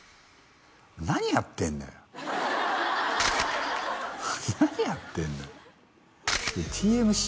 何やってんだよ何やってんのよＴＭＣ